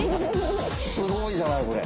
すごいじゃないこれ。